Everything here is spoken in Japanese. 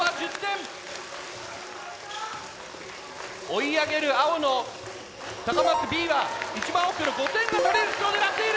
追い上げる青の高松Ｂは一番奥の５点がとれる筒を狙っている。